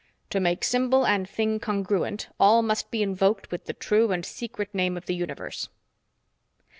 "To make symbol and thing congruent, all must be invoked with the true and secret name of the universe."